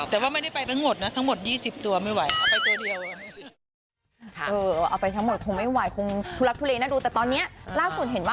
แต่ว่าไม่ได้ไปเป็นหมดนะทั้งหมด๒๐ตัวไม่ไหว